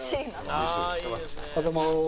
おはようございます。